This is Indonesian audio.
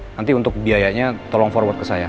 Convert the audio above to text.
nanti untuk biayanya tolong forward ke saya